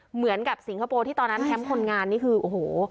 เหมือนกับสิงคโปร์ที่ตอนนั้นแคมป์คนงานนี่คือโอ้โห